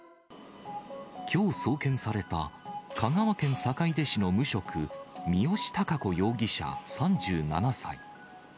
きょう送検された、香川県坂出市の無職、三好貴子容疑者３７歳。